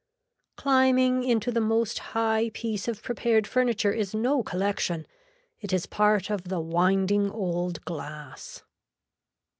Climbing into the most high piece of prepared furniture is no collection. It is part of the winding old glass.